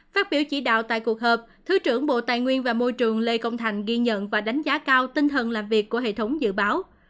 phát biểu chỉ đạo tại cuộc họp thứ trưởng bộ tài nguyên và môi trường lê công thành ghi nhận và đánh giá cao tinh thần làm việc của hệ thống dự báo